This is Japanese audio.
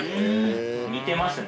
似てますね。